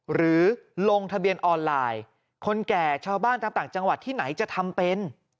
หรือลงทะเบียนออนไลน์คนแก่ชาวบ้านตามต่างจังหวัดที่ไหนจะทำเป็น